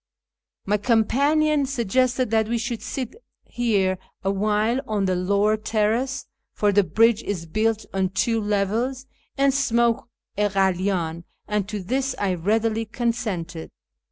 My companion suggested that we should sit here awhile on the lower terrace (for the bridge is built on two levels) and smoke a kalydn, and to this I readily consented.